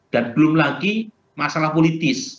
dan belum lagi masalah politis